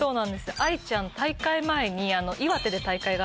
あいちゃん大会前に。